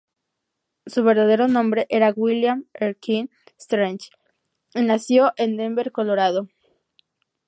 Su verdadero nombre era William Erskine Strange, y nació en Denver, Colorado.